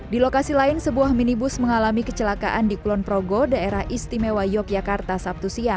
di lokasi lain sebuah minibus mengalami kecelakaan di kulon progo daerah istimewa yogyakarta